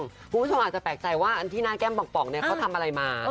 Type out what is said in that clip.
คุณผู้ชมอาจจะแปลกใจว่าอันที่หน้าแก้มป่องเนี่ยเขาทำอะไรมา